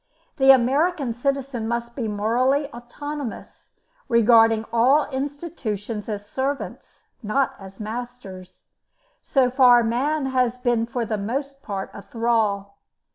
"The American citizen must be morally autonomous, regarding all institutions as servants, not as masters. So far man has been for the most part a thrall.